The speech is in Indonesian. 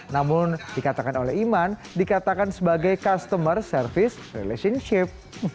namun dikatakan oleh iman dikatakan sebagai customer service relationship